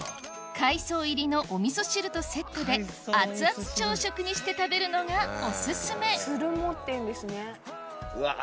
海藻入りのお味噌汁とセットでアツアツ朝食にして食べるのがオススメうわ。